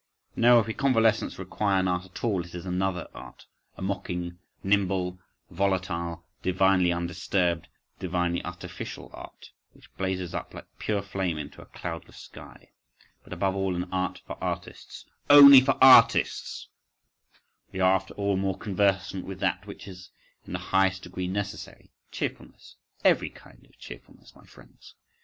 No: if we convalescents require an art at all, it is another art— a mocking, nimble, volatile, divinely undisturbed, divinely artificial art, which blazes up like pure flame into a cloudless sky! But above all, an art for artists, only for artists! We are, after all, more conversant with that which is in the highest degree necessary—cheerfulness, every kind of cheerfulness, my friends!